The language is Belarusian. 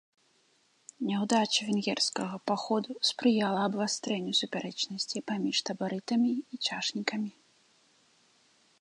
Няўдача венгерскага паходу спрыяла абвастрэнню супярэчнасцей паміж табарытамі і чашнікамі.